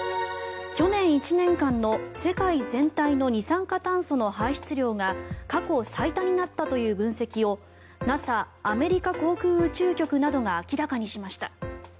去年１年間の世界全体の二酸化炭素の排出量が過去最多になったという分析をＮＡＳＡ・アメリカ航空宇宙局などが明らかにしました。